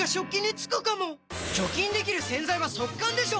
除菌できる洗剤は速乾でしょ！